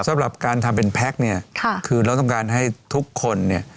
สำหรับการทำเป็นแพ็คเนี่ยคือเราต้องการให้ทุกคนเนี่ย